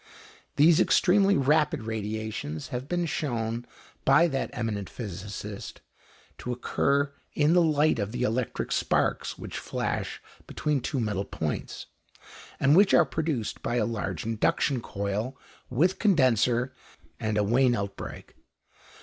These extremely rapid radiations have been shown by that eminent physicist to occur in the light of the electric sparks which flash between two metal points, and which are produced by a large induction coil with condenser and a Wehnelt break.